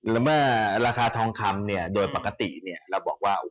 และเมื่อราคาทองคำโดยปกติเราบอกว่า